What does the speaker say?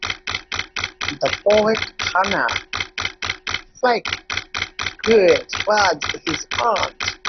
The poet Hannah Flagg Gould was his aunt.